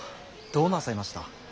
どうなさいました。